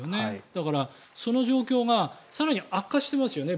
だから、その状況が更に悪化していますよね